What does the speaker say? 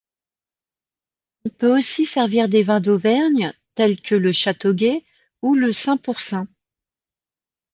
On peut aussi servir des vins d'Auvergne, tels que le chateaugay ou le saint-pourçain.